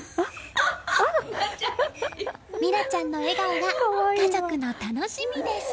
心楽ちゃんの笑顔が家族の楽しみです！